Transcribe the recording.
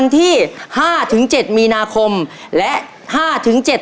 ถูกไม่ถูก